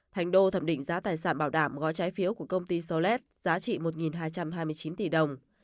thành đô thẩm định giá tài sản bảo đảm gói trái phiếu của công ty solet giá trị một hai trăm hai mươi chín tỷ đồng